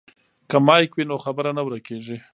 که مایک وي نو خبره نه ورکیږي.